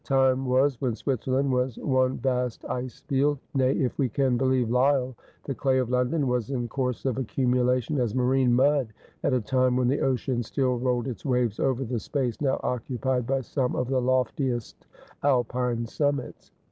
Time was when Switzerland was one vast ice field : nay, if we can believe Lyell, the clay of London was in course of accumulation as marine mud at a time when the ocean still rolled its waves over the space now occupied by some of the loftiest Alpine summits.'